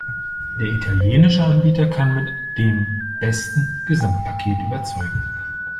Der italienische Anbieter kann mit dem besten Gesamtpaket überzeugen.